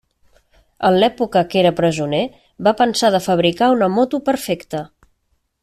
En l'època que era presoner va pensar de fabricar una moto perfecta.